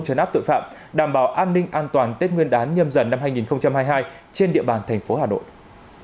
cho nắp tội phạm đảm bảo an ninh an toàn tết nguyên đán nhâm dần năm hai nghìn hai mươi hai trên địa bàn tp hà nội